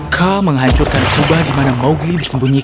k menghancurkan kubah di mana mowgli disembunyikan